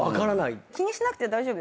気にしなくて大丈夫。